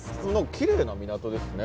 きれいな港ですね。